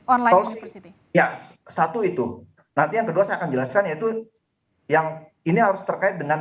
atau seperti itu ya satu itu nanti yang kedua saya akan jelaskan yaitu yang ini harus terkait dengan